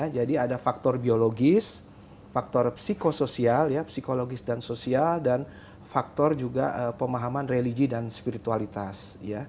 jadi ada faktor biologis faktor psikososial psikologis dan sosial dan faktor juga pemahaman religi dan spiritualitas